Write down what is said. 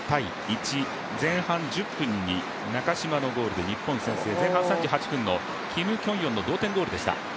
前半１０分に中嶋のゴールで日本先制、前半３８分のキム・キョンヨンの同点ゴールでした。